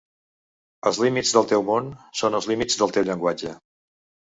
Els límits del teu món són els límits del teu llenguatge.